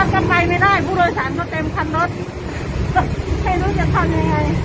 ก็ไปไม่ได้ผู้โดยสารก็เต็มคันรถก็ไม่รู้จะทำยังไง